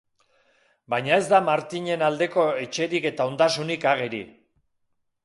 Baina ez da Martinen aldeko etxerik eta ondasunik ageri.